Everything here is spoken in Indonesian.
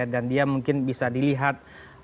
dan dia mungkin bisa dilihat